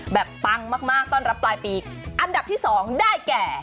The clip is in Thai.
ปังมากต้อนรับปลายปีอันดับที่๒ได้แก่